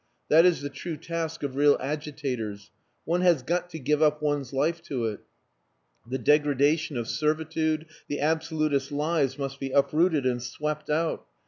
"That is the true task of real agitators. One has got to give up one's life to it. The degradation of servitude, the absolutist lies must be uprooted and swept out.